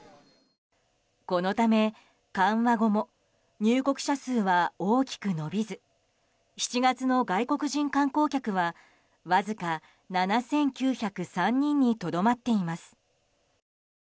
このため緩和後も入国者数は大きく伸びず７月の外国人観光客はわずか７９０３人にとどまっています。